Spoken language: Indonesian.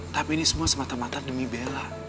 tapi ini semua semata mata demi bela